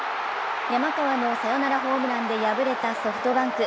山川のサヨナラホームランで敗れたソフトバンク。